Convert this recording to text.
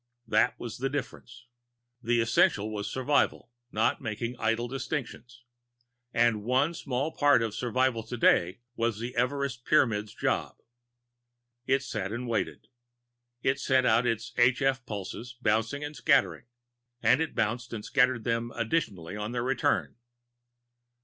That was the difference. The essential was survival, not making idle distinctions. And one small part of survival today was the Everest Pyramid's job. It sat and waited. It sent out its h f pulses bouncing and scattering, and it bounced and scattered them additionally on their return.